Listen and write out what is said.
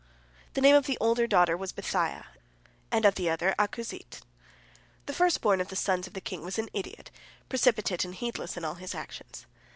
The name of the older daughter was Bithiah, and of the other, Akuzit. The first born of the sons of the king was an idiot, precipitate and heedless in all his actions.